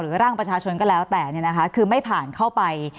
หรือร่างประชาชนก็แล้วแต่เนี่ยนะคะคือไม่ผ่านเข้าไป